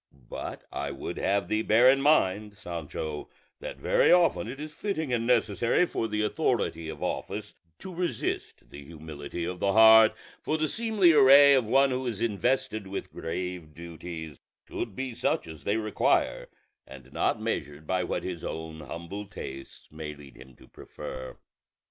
But I would have thee bear in mind, Sancho, that very often it is fitting and necessary for the authority of office to resist the humility of the heart; for the seemly array of one who is invested with grave duties should be such as they require, and not measured by what his own humble tastes may lead him to prefer.